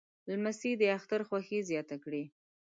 لمسی د اختر خوښي زیاته کړي.